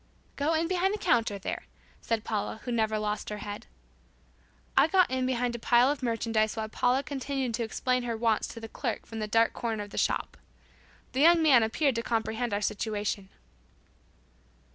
"Go in behind the counter, there," said Paula who never lost her head. I got in behind a pile of merchandise while Paula continued to explain her wants to the clerk from the dark corner of the shop. The youug man appeared to comprehend our situation.